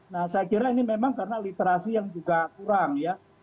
nah saya kira ini memang karena literasi yang juga kurang ya